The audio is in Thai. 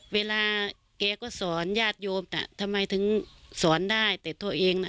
เวลาแกก็สอนญาติโยมน่ะทำไมถึงสอนได้แต่ตัวเองน่ะ